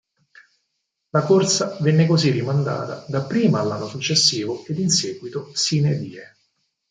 La corsa venne così rimandata dapprima all'anno successivo ed in seguito "sine die".